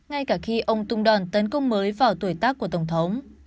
ngay cả khi ông tung đòn tấn công mới vào tuổi tác của tổng thống